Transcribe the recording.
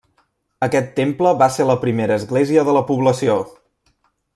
Aquest temple va ser la primera església de la població.